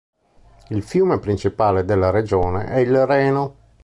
Il fiume principale della regione è il Reno.